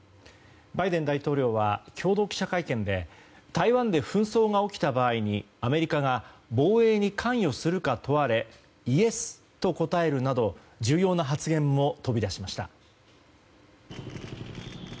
バイデン大統領は共同記者会見で台湾で紛争が起きた場合にアメリカが防衛に関与するか問われイエスと答えるなど重要な発言も飛び出しました。